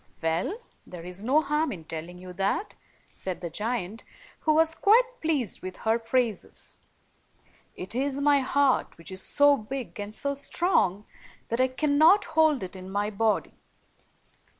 "Well, there is no harm in telling you that," said the giant, who was quite pleased with her praises. " It is my heart, which is so big and so strong that I cannot hold it in my body."